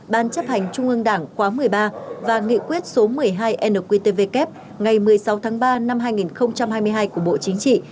ban chấp hành trung ương đảng khóa một mươi ba và nghị quyết số một mươi hai nqtvk ngày một mươi sáu tháng ba năm hai nghìn hai mươi hai của bộ chính trị